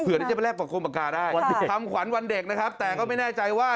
เดี๋ยวจะไปแลกประคมปากกาได้ทำขวัญวันเด็กนะครับแต่ก็ไม่แน่ใจว่า